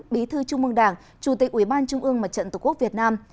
bí thư trung mương đảng chủ tịch ủy ban trung ương mặt trận tổ quốc việt nam